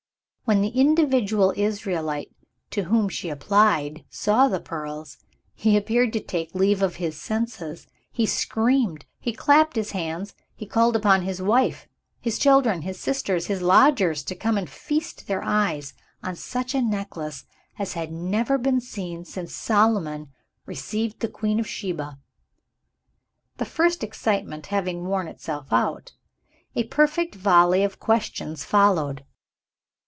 When the individual Israelite to whom she applied saw the pearls, he appeared to take leave of his senses. He screamed; he clapped his hands; he called upon his wife, his children, his sisters, his lodgers, to come and feast their eyes on such a necklace as had never been seen since Solomon received the Queen of Sheba. The first excitement having worn itself out, a perfect volley of questions followed.